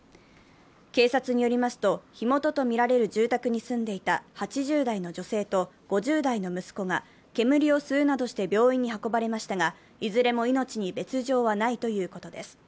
警察によりますと火元とみられる住宅に住んでいた８０代の女性と５０代の息子が煙を吸うなどして病院に運ばれましたが、いずれも命に別状はないということです。